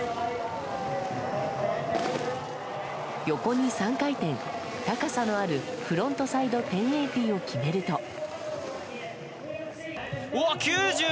横に３回転、高さのあるフロントサイド１０８０を決めると。